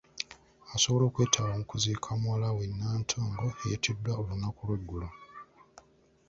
Asobola okwetaba mu kuziika muwala we Nantongo, eyattiddwa olunaku lw’eggulo.